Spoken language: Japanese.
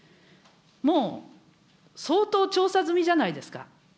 もう相当調査済みじゃないですか。